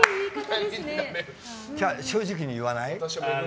正直に言わない？